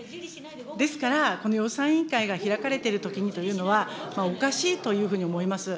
ですから、この予算委員会が開かれているときというのは、おかしいというふうに思います。